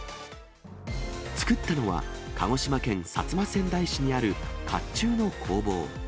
作ったのは、鹿児島県薩摩川内市にあるかっちゅうの工房。